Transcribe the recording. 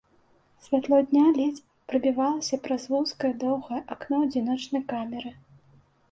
Святло дня ледзь прабівалася праз вузкае доўгае акно адзіночнай камеры.